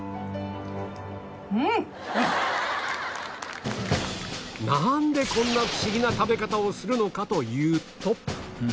なんでこんなフシギな食べ方をするのかというと